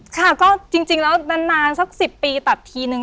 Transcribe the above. ค่ะก็จริงแล้วนานสัก๑๐ปีตัดทีนึง